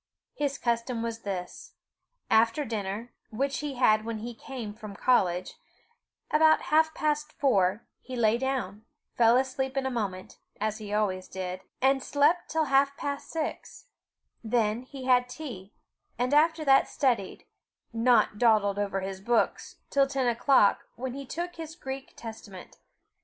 His custom was this: after dinner, which he had when he came from college, about half past four, he lay down, fell asleep in a moment, as he always did, and slept till half past six; then he had tea, and after that, studied not dawdled over his books, till ten o'clock, when he took his Greek Testament.